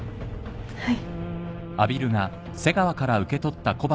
はい。